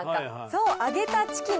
そう揚げたチキンですね。